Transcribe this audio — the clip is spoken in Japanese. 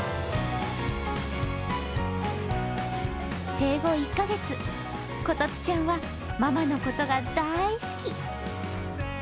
生後１カ月、コタツちゃんはママのことが大好き。